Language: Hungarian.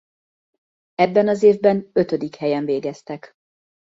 Ebben az évben ötödik helyen végeztek.